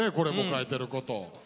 書いてること。